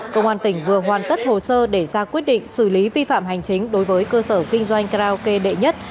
công an tỉnh vừa hoàn tất hồ sơ để ra quyết định xử lý vi phạm hành chính đối với cơ sở kinh doanh karaoke đệ nhất